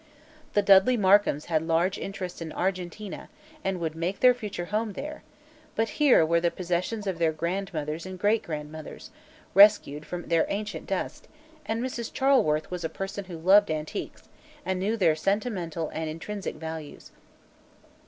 The Dudley Markhams had large interests in Argentine and would make their future home there, but here were the possessions of their grandmothers and great grandmothers, rescued from their ancient dust, and Mrs. Charleworth was a person who loved antiques and knew their sentimental and intrinsic values.